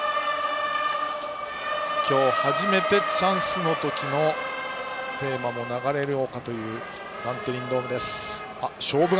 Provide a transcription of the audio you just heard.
今日初めてチャンスの時のテーマ流れようかというバンテリンドームです。